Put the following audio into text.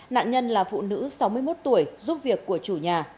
nạn nhân là phụ nữ sáu mươi một tuổi giúp việc của chủ nhà